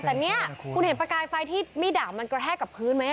แต่เนี่ยคุณเห็นประกายไฟที่มีดดาบมันกระแทกกับพื้นไหม